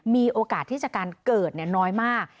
มีโอกาสที่จะการเกิดน้อยมาก